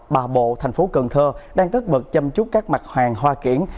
bà bộ thành phố cần thơ đang tất bật chăm chút các mặt hàng hoa kiển